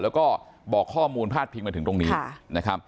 แล้วก็บอกข้อมูลพลาดพิมพ์มาถึงตรงนี้